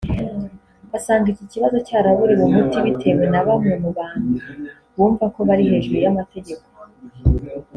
asanga iki kibazo cyaraburiwe umuti bitewe na bamwe mu bantu bumva ko bari hejuru y’amategeko